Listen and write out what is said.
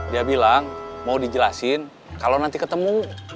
dia bilang mau dijelasin kalau nanti ketemu